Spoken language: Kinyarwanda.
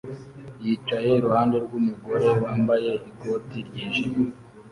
yicaye iruhande rwumugore wambaye ikoti ryijimye